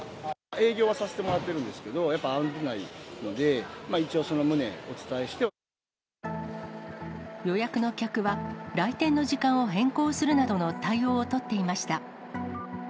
営業はさせてもらってるんですけど、やっぱ危ないので、一応その予約の客は、来店の時間を変更するなどの対応を取っていました。